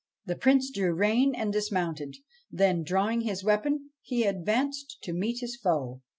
The Prince drew rein and dismounted ; then, drawing his weapon, he advanced to meet his foe.